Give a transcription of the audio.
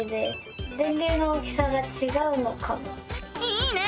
いいね！